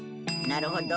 なるほど。